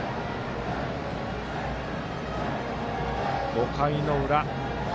５回の裏。